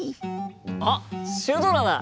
あっシュドラだ！